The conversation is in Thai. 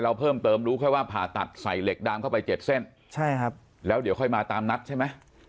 เพิ่มเติมรู้แค่ว่าผ่าตัดใส่เหล็กดามเข้าไปเจ็ดเส้นใช่ครับแล้วเดี๋ยวค่อยมาตามนัดใช่ไหม